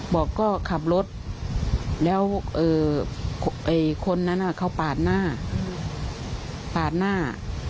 บอกก็ขับรถแล้วคนนั้นเขาปาดหน้า